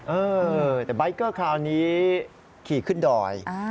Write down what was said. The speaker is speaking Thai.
เออแต่ใบเกอร์คราวนี้ขี่ขึ้นดอย